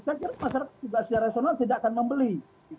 saya kira masyarakat juga secara rasional tidak akan membeli